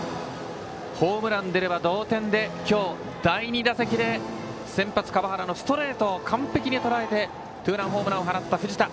ホームラン出れば同点で今日、第２打席で先発、川原のストレートを完璧にとらえてツーランホームランの藤田